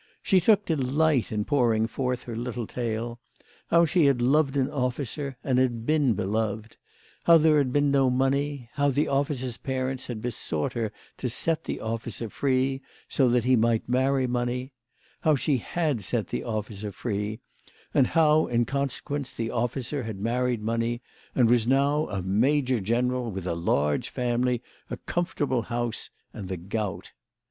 She took delight in pouring forth her little tale ; how she had loved an officer and had been beloved ; how there had been no money ; how the officer's parents had besought her to set the officer free, so that he might marry money ; how she had set the officer free, and how, in conse quence, the officer had married money and was now a major general, with a large family, a comfortable house, and the gout.